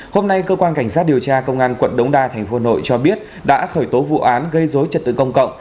hôm nay cơ quan cảnh sát điều tra công an quận đống đa tp hà nội cho biết đã khởi tố vụ án gây dối trật tự công cộng